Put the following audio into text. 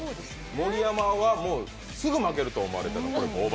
盛山は、もうすぐ負けると思われてます、５倍。